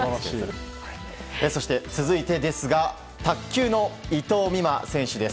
そして、続いてですが卓球の伊藤美誠選手です。